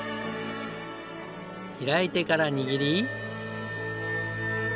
開いてから握り。